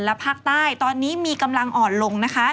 และภาคใต้ตอนนี้มีกำลังอ่อนลงนะคะ